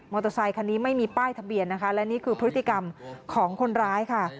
เตอร์ไซคันนี้ไม่มีป้ายทะเบียนนะคะและนี่คือพฤติกรรมของคนร้ายค่ะ